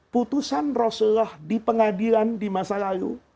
putusan rasulullah di pengadilan di masa lalu